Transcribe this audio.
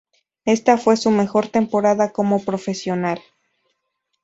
Esa fue su mejor temporada como profesional.